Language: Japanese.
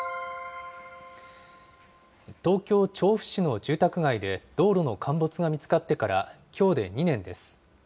東京・調布市の住宅街で道路の陥没が見つかってからきょうで２年です。